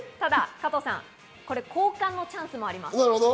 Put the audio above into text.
加藤さん、これ交換のチャンスもあります。